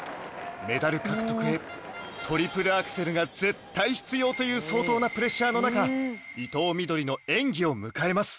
メダル獲得へトリプルアクセルが絶対必要という相当なプレッシャーの中伊藤みどりの演技を迎えます